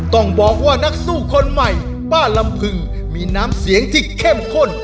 ต้องบอกว่านักสู้คนใหม่ป้าลำพึงมีน้ำเสียงที่เข้มข้น